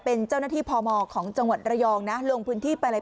เป็นเจ้าหน้าที่พมของจังหวัดระยองนะลงพื้นที่ไปเลย